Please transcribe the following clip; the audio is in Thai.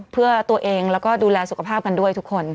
เพื่อตัวเองแล้วก็ดูแลสุขภาพกันด้วยทุกคน